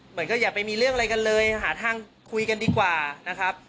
เหมือนก็อย่าไปมีเรื่องอะไรกันเลยหาทางคุยกันดีกว่านะครับ